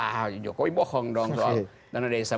ah jokowi bohong dong soal dana desa